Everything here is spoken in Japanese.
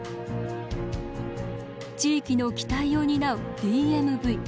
地域の期待を担うＤＭＶ。